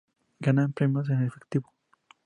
Ganan premios en efectivo.